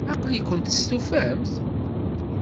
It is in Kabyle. Aql-ikent testufamt?